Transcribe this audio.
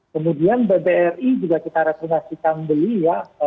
kemudian bbri juga kita rekomendasikan beli ya